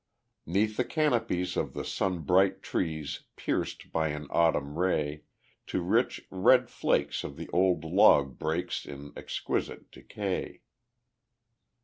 'Neath the canopies of the sunbright trees Pierced by an Autumn ray, To rich red flakes the old log breaks In exquisite decay.